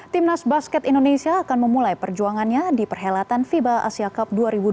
timnas basket indonesia akan memulai perjuangannya di perhelatan fiba asia cup dua ribu dua puluh